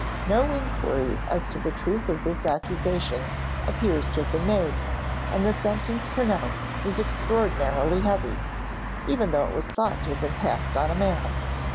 No inquiry as to the truth of this accusation appears to have been made, and the sentence pronounced was extraordinarily heavy, even though it was thought to have been passed on a man.